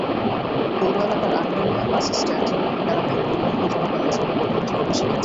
পৌর এলাকার আংগারিয়া বাসস্ট্যান্ড এলাকায় মানববন্ধন চলাকালে সড়ক অবরোধ করে শিক্ষার্থীরা।